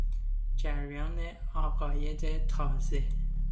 جریان عقاید تازه